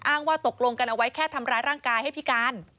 ว่าตกลงกันเอาไว้แค่ทำร้ายร่างกายให้พิการ